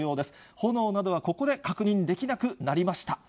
炎などはここで確認できなくなりました。